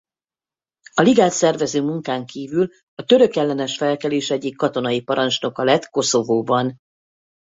A Ligát szervező munkán kívül a törökellenes felkelés egyik katonai parancsnoka lett Koszovóban.